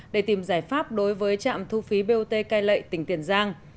để tìm giải pháp đối với trạm thu phí bot cai lệ tỉnh tiền giang